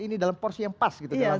ini dalam porsi yang pas gitu